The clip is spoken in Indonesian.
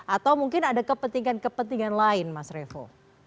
atau mungkin ada kepentingan kepentingan lain mas revo